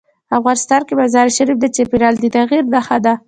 افغانستان کې مزارشریف د چاپېریال د تغیر نښه ده.